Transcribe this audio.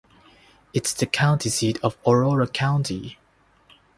It is the county seat of Aurora County.